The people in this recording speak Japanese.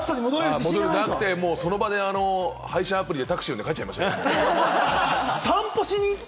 その場で配車アプリで呼んで帰っちゃいました。